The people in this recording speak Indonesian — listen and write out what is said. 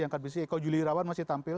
angkat besi eko julirawan masih tampil